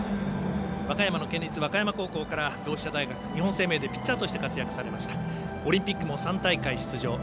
和歌山の県立和歌山高校から同志社大学、日本生命でピッチャーとして活躍されましたオリンピックも３大会出場。